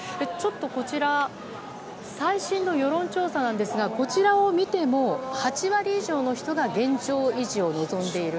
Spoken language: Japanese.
こちら、最新の世論調査ですがこちらを見ても、８割以上の人が現状維持を望んでいる。